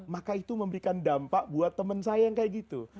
maka itu memberikan dampak buat temen saya yang kayak gitu